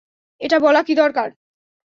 এটা বলা কি দরকার?